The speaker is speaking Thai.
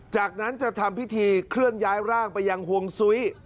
จากนั้นจะทำพิธีเคลื่อนย้ายร่างไปยังห่วงซุ้ย